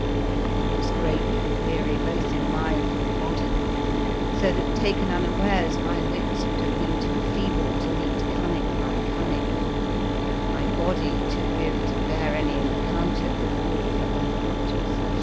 I was greatly weary both in mind and body, so that taken unawares my wits would have been too feeble to meet cunning by cunning, and my body too weary to bear any encounter that called for over much exertion.